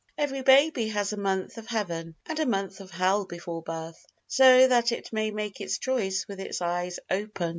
Every baby has a month of heaven and a month of hell before birth, so that it may make its choice with its eyes open.